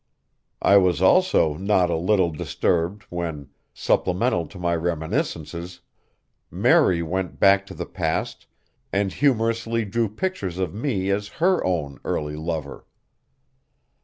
I was also not a little disturbed when, supplemental to my reminiscences, Mary went back to the past and humorously drew pictures of me as her own early lover.